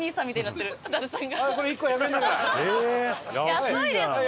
安いですね！